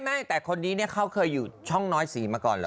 ไม่แต่คนนี้เนี่ยเขาเคยอยู่ช่องน้อยสีมาก่อนเหรอ